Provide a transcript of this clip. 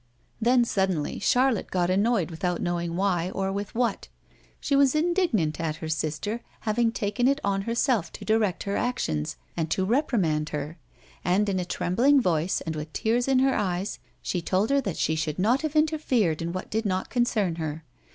Then, suddenly, Charlotte got annoyed without knowing why or with what. She was indignant at her sister having taken it on herself to direct her actions and to reprimand her; and, in a trembling voice, and with tears in her eyes, she told her that she should not have interfered in what did not concern her.